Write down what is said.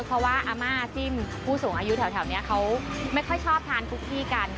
เพราะว่าอาม่าจิ้มผู้สูงอายุแถวนี้เขาไม่ค่อยชอบทานทุกที่กัน